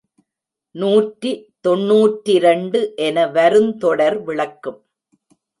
நூற்றி தொன்னூற்றிரண்டு என வருந் தொடர் விளக்கும்.